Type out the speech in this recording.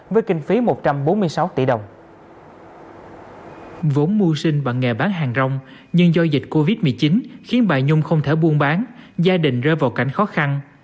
vốn mua sinh bằng nghề bán hàng rong nhưng do dịch covid một mươi chín khiến bà nhung không thể buôn bán gia đình rơi vào cảnh khó khăn